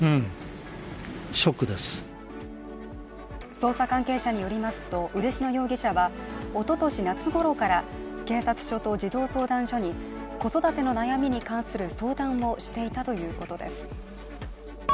捜査関係者によりますと嬉野容疑者はおととし夏ごろから警察署と児童相談所に子育ての悩みに関する相談をしていたということです。